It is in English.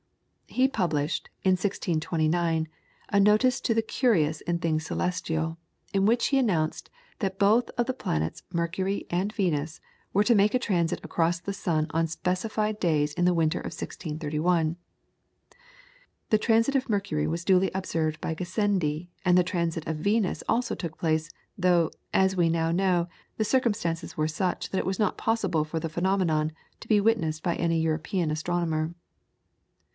He published, in 1629, a notice to the curious in things celestial, in which he announced that both of the planets, Mercury and Venus, were to make a transit across the sun on specified days in the winter of 1631. The transit of Mercury was duly observed by Gassendi, and the transit of Venus also took place, though, as we now know, the circumstances were such that it was not possible for the phenomenon to be witnessed by any European astronomer.